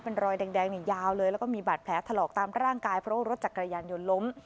เป็นรอยแดงนี่ยาวเลยแล้วก็มีบาดแผลถลอกตามร่างกายเพราะว่ารถจักรยานยนต์ล้ม